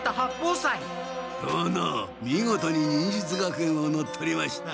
殿見事に忍術学園を乗っ取りました。